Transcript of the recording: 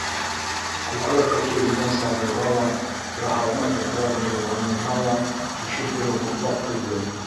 Күкрәк һөтө имгән сабыйға ла, яһалма туҡлан-дырылғанына ла кефир биреү мотлаҡ түгел.